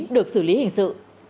được xử lý hình sự